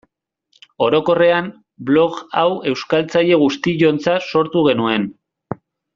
Orokorrean, blog hau euskaltzale guztiontzat sortu genuen.